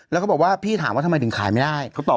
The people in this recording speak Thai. แล้วก็บอกว่าพี่ถามว่าทำไมถึงขายไม่ได้เขาตอบ